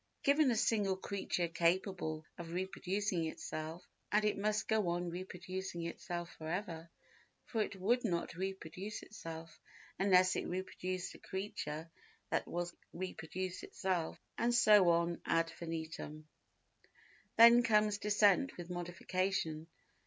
Given a single creature capable of reproducing itself and it must go on reproducing itself for ever, for it would not reproduce itself, unless it reproduced a creature that was going to reproduce itself, and so on ad infinitum. Then comes Descent with Modification.